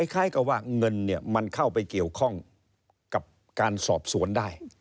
คล้ายกับว่าเงินมันเข้าไปเกี่ยวข้องกับการสอบสวนได้